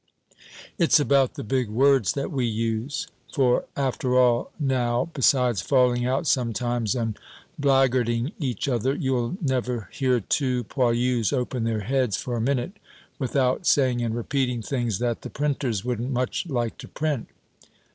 It's about the big words that we use. For after all, now, besides falling out sometimes and blackguarding each other, you'll never hear two poilus open their heads for a minute without saying and repeating things that the printers wouldn't much like to print.